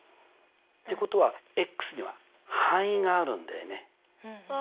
ってことはには範囲があるんだよね。